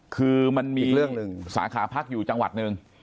คือมันมีสาขาพักอยู่จังหวัดนึง